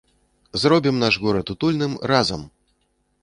Зробім наш горад утульным разам!